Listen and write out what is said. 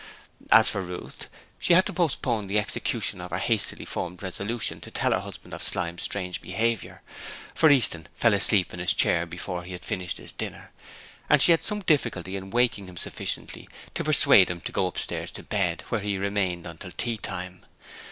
As for Ruth, she had to postpone the execution of her hastily formed resolution to tell her husband of Slyme's strange behaviour, for Easton fell asleep in his chair before he had finished his dinner, and she had some difficulty in waking him sufficiently to persuade him to go upstairs to bed, where he remained until tea time.